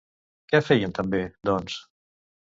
Què feien també, doncs?